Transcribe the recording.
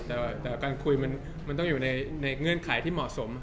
แต่การคุยมันต้องอยู่ในเงื่อนไขที่เหมาะสม